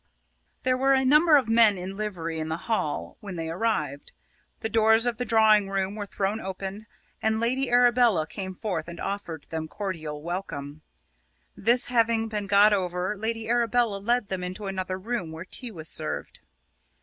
There were a number of men in livery in the hall when they arrived. The doors of the drawing room were thrown open, and Lady Arabella came forth and offered them cordial welcome. This having been got over, Lady Arabella led them into another room where tea was served.